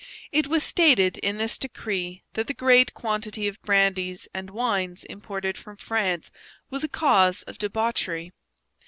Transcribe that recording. It was stated in this decree that the great quantity of brandies and wines imported from France was a cause of debauchery.